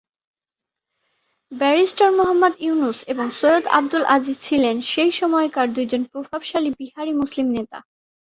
Barrister Mohammad Yunus এবং সৈয়দ আবদুল আজিজ ছিলেন সেই সময়কার দুই প্রভাবশালী বিহারী মুসলিম নেতা।